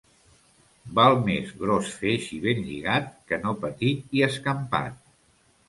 Val més gros feix i ben lligat que no petit i escampat.